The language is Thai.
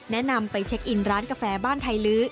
แนะนำไปเช็คอินร้านกาแฟบ้านไทยลื้อ